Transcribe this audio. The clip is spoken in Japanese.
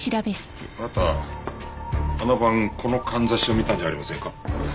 あなたあの晩このかんざしを見たんじゃありませんか？